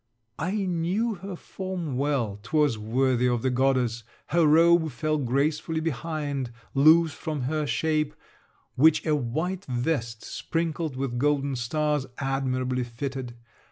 I knew her form well: 'twas worthy of the goddess. Her robe fell gracefully behind, loose from her shape, which a white vest sprinkled with golden stars admirably fitted.